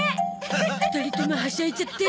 ２人ともはしゃいじゃって。